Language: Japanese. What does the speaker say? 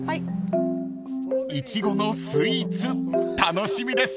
［イチゴのスイーツ楽しみです］